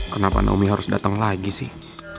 kenapa naomi harus datang lagi sih